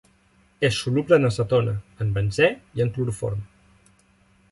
És soluble en acetona, en benzè i en cloroform.